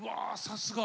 さすが！